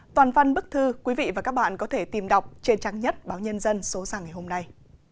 toàn văn bức thư quý vị và các bạn có thể tìm đọc trên trang nhất báo nhân dân số ra ngày hôm nay